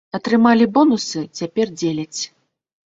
Атрымалі бонусы, цяпер дзеляць.